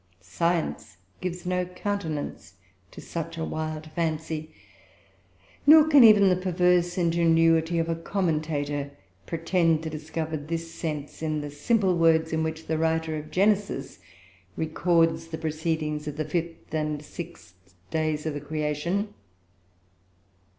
Science gives no countenance to such a wild fancy; nor can even the perverse ingenuity of a commentator pretend to discover this sense, in the simple words in which the writer of Genesis records the proceedings of the fifth and six days of the Creation.